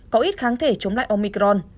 có ít kháng thể chống lại omicron